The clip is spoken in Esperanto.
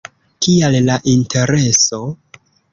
Kial la Intereso?